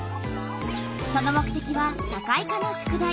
その目てきは社会科の宿題。